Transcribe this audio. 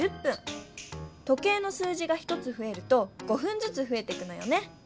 時計の数字が１つふえると５ふんずつふえていくのよね。